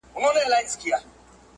د دې کور یو بل اوسېدونکی